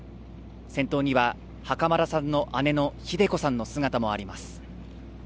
先頭には袴田さんの姉のひで子さんの姿もあります。